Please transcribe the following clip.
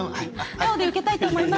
太鳳で受けたいと思います